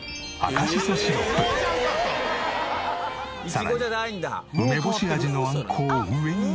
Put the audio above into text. さらに梅干し味のあんこを上にのせれば。